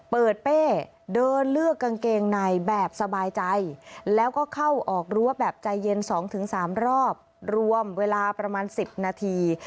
เป้เดินเลือกกางเกงในแบบสบายใจแล้วก็เข้าออกรั้วแบบใจเย็น๒๓รอบรวมเวลาประมาณ๑๐นาที